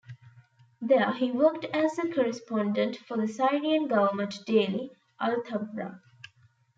There he worked as a correspondent for the Syrian government daily, "Al Thawra".